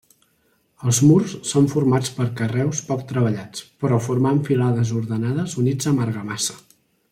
Els murs són formats per carreus poc treballats però formant filades ordenades units amb argamassa.